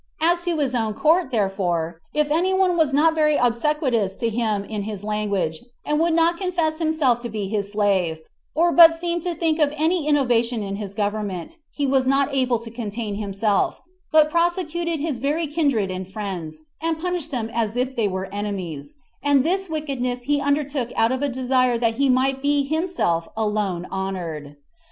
As to his own court, therefore, if any one was not very obsequious to him in his language, and would not confess himself to be his slave, or but seemed to think of any innovation in his government, he was not able to contain himself, but prosecuted his very kindred and friends, and punished them as if they were enemies and this wickedness he undertook out of a desire that he might be himself alone honored.